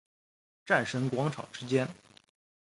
战神广场之间。